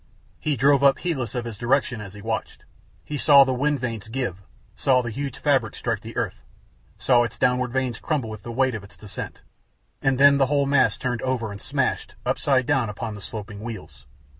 He drove up heedless of his direction as he watched. He saw the wind vanes give, saw the huge fabric strike the earth, saw its downward vanes crumple with the weight of its descent, and then the whole mass turned over and smashed, upside down, upon the sloping wheels.